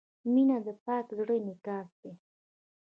• مینه د پاک زړۀ انعکاس دی.